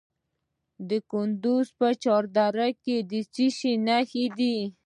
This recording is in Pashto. د کندز په چهار دره کې د څه شي نښې دي؟